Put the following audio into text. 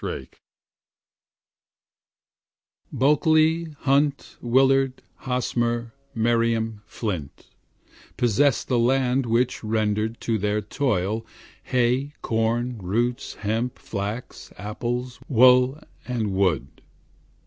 HAMATREYA Bulkeley, Hunt, Willard, Hosmer, Meriam, Flint, Possessed the land which rendered to their toil Hay, corn, roots, hemp, flax, apples, wool and wood.